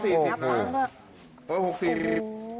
๒๖๐บาทโอ้โฮน้ำมันพี่จะแก่เตียนได้